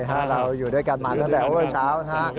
ไม่เป็นไรเราอยู่ด้วยกันมาตั้งแต่เวลาเช้า